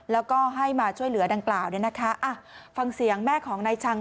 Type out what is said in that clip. แล้วก็ให้มาช่วยเหลือดังกล่าวเนี่ยนะคะอ่ะฟังเสียงแม่ของนายชัง